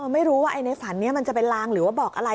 ไม่รู้ว่าในฝันนี้มันจะเป็นลางหรือว่าบอกอะไร